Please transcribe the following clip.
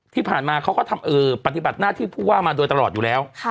ที่ผ่านมาเขาก็ปฏิบัติหน้าที่ผู้ว่ามาโดยตลอดอยู่แล้ว